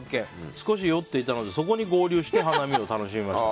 少し酔っていたのでそこに合流して花見を楽しみました。